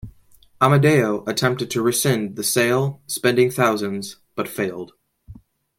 Amadeo attempted to rescind the sale, spending thousands, but failed.